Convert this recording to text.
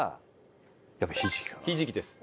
ひじきです。